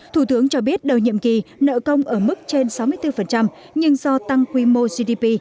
thủ tướng cho biết đầu nhiệm kỳ nợ công ở mức trên sáu mươi bốn nhưng do tăng quy mô gdp